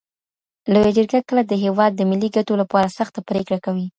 لویه جرګه کله د هیواد د ملي ګټو لپاره سخته پرېکړه کوي؟